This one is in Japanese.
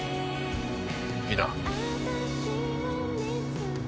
いいな？